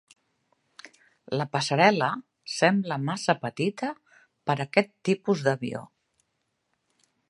La passarel·la sembla massa petita per aquest tipus d'avió.